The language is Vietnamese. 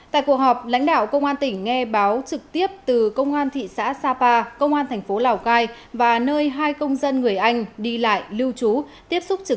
tại cuộc họp lãnh đạo công an tỉnh nghe báo trực tiếp từ công an thị xã sapa công an thành phố lào cai và nơi hai công dân người anh đi lại lưu trú tiếp xúc trực